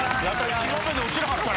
１問目で落ちなかった。